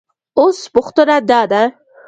اوس پوښتنه دا ده